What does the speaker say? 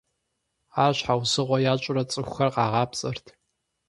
Ар щхьэусыгъуэ ящӏурэ цӏыхухэр къагъапцӏэрт.